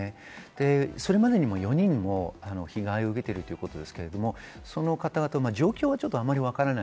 それまでにも４人も被害を受けているということですけれども、状況はちょっとあまりわからない。